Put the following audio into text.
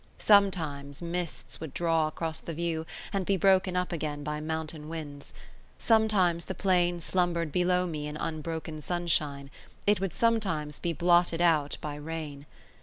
Sometimes mists would draw across the view, and be broken up again by mountain winds; sometimes the plain slumbered below me in unbroken sunshine; it would sometimes be all blotted out by rain.